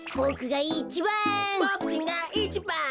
ボクがいちばん。